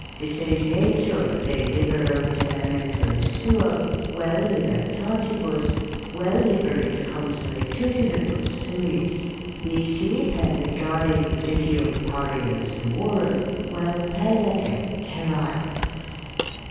dissaisietur de libero tene mento suo uel libertatibus uel liberis consuetudinibus suis ... nisi per legale judicium parium suorum uel per legem terrae."